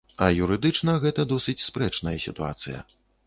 А юрыдычна гэта досыць спрэчная сітуацыя.